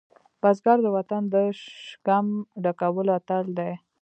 بزګر د وطن د شکم ډکولو اتل دی